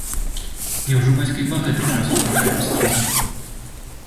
Няўжо бацька і па гэты час разважае па-старому?